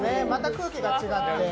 また空気が違って。